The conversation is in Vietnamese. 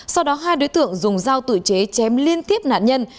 sau đó hai đối tượng dùng dao tự chế chém liên tiếp nạn nhân